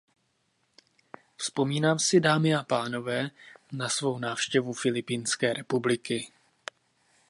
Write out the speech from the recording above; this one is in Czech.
Vzpomínám si, dámy a pánové, na svou návštěvu Filipínské republiky.